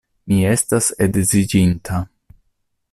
Mi estas edziĝinta.